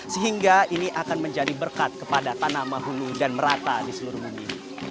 sehingga ini akan menjadi berkat kepada tanaman hulu dan merata di seluruh bumi